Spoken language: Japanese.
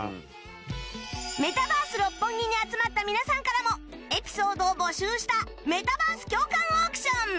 メタバース六本木に集まった皆さんからもエピソードを募集したメタバース共感オークション